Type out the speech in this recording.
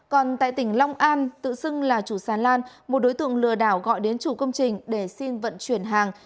còn tại tỉnh long an tự xưng là chủ xà lan một đối tượng lừa đảo gọi đến chủ công trình để xin vận chuyển hàng